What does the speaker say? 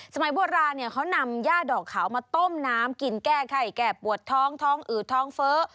สมัยโบราณเนี่ยเขานำย่าดอกขาวมาต้มน้ำกินแก้ไข้แก้ปวดท้องท้องอืดท้องเฟ้อ